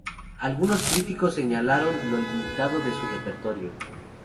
Algunos críticos señalaron lo limitado de su repertorio.